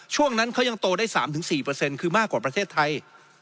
ช่วงนั้นเขายังโตได้๓๔คือมากกว่าประเทศไทย